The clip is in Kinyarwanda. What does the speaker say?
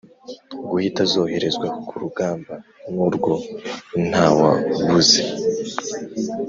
guhita zoherezwa ku rugamba. nubwo ntawabuze